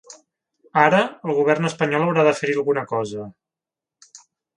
Ara, el govern espanyol haurà de fer-hi alguna cosa.